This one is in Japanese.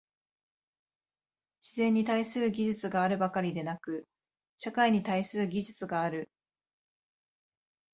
自然に対する技術があるばかりでなく、社会に対する技術がある。